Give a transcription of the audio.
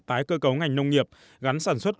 tái cơ cấu ngành nông nghiệp gắn sản xuất